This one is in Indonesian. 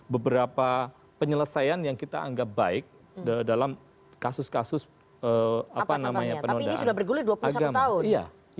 beberapa penyelesaian yang kita anggap baik dalam kasus kasus penodaan agama